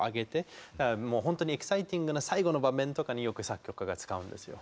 だからもう本当にエキサイティングな最後の場面とかによく作曲家が使うんですよ。